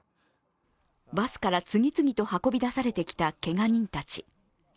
バスから次々と運び出されてきたけが人たち。